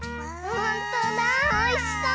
ほんとだおいしそう！